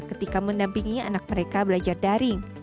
ketika mendampingi anak mereka belajar daring